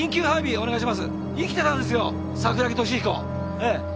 ええ。